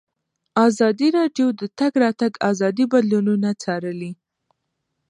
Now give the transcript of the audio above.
ازادي راډیو د د تګ راتګ ازادي بدلونونه څارلي.